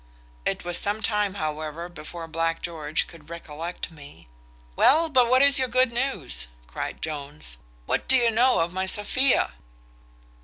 It was some time, however, before Black George could recollect me." "Well, but what is your good news?" cries Jones; "what do you know of my Sophia?"